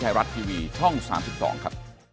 ไทยรัฐทีวีช่อง๓๒ครับ